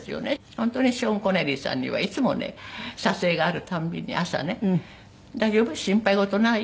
ショーン・コネリーさんにはいつもね撮影があるたんびに朝ね「大丈夫？心配事ない？」